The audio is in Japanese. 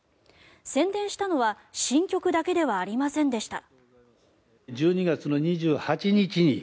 宣伝したのは新曲だけではありませんでした。